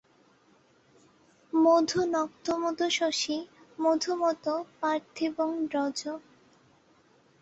মধু নক্তমুতোষসি মধুমৎ পার্থিবং রজঃ।